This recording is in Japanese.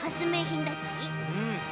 うん。